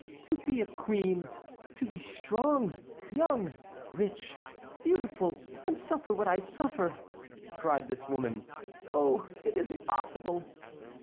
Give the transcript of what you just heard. "To be a queen, to be strong, young, rich, beautiful, and suffer what I suffer!" cried this woman; "oh! it is impossible!"